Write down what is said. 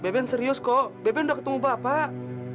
beben serius kok beben udah ketemu bapak